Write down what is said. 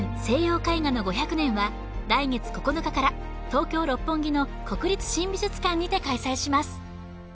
西洋絵画の５００年は来月９日から東京・六本木の国立新美術館にて開催します